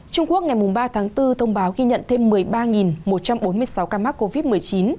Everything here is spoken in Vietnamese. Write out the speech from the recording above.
trung quốc ngày ba tháng bốn thông báo ghi nhận thêm một mươi ba một trăm bốn mươi sáu ca mắc covid một mươi chín